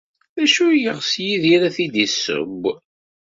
D acu ay yeɣs Yidir ad t-id-yesseww?